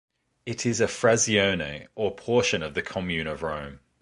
It is a frazione, or portion of the commune of Rome.